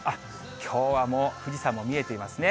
きょうはもう富士山も見えていますね。